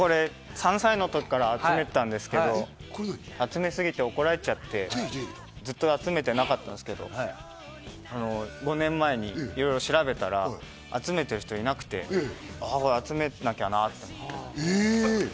３歳の時から集めてたんですけど、集めすぎて怒られちゃって、ずっと集めてなかったんですけど、５年前にいろいろ調べたら集めてる人がいなくて、こりゃ集めなきゃなと思って。